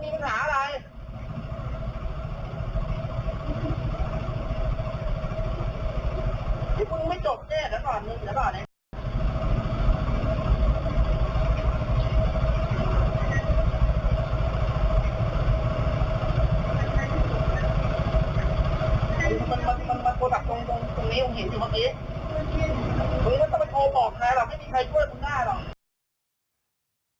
ไม่มีใครช่วยคุณหน้าหรอก